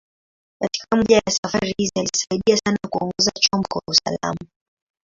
Katika moja ya safari hizi, alisaidia sana kuongoza chombo kwa usalama.